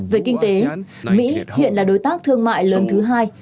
về kinh tế mỹ hiện là đối tác thương mại lớn thứ hai